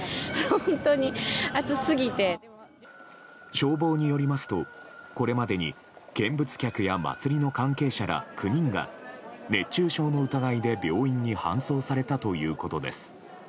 消防によりますと、これまでに見物客や祭りの関係者ら９人が熱中症の疑いで病院に搬送されたということです。